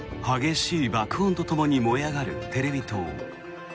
激しい爆音とともに燃え上がるテレビ塔。